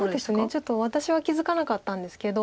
ちょっと私は気付かなかったんですけど。